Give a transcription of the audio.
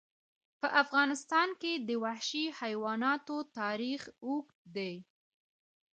په افغانستان کې د وحشي حیواناتو تاریخ اوږد دی.